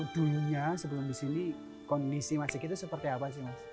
waktu dulu sebelum disini kondisi mas sigit itu seperti apa sih mas